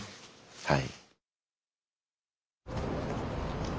はい。